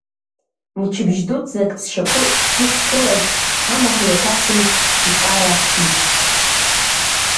Мчыбжь дуӡӡак зшьапы икәгылаз амаҳәи аҭацеи икара ицәт.